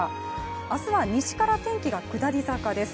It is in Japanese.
明日は西から天気が下り坂です。